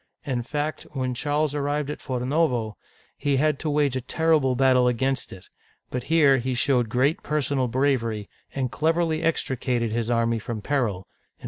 In fact, when Charles arrived at Forno'vo, he had to wage a terrible battle against it; but here he showed great personal bravery, and cleverly extricated his army from peril (149S).